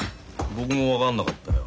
僕も分かんなかったよ。